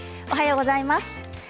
おはようございます。